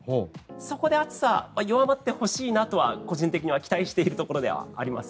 そこで暑さが弱まってほしいなと個人的には期待しているところではあります。